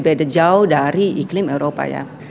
beda jauh dari iklim eropa ya